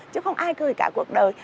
chứ không ai cười cả cuộc đời